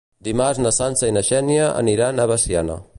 Dimarts na Sança i na Xènia aniran a Veciana.